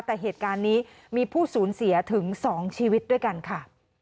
แต่เหตุการณ์นี้มีผู้สูญเสียถึง๒ชีวิตด้วยกันค่ะ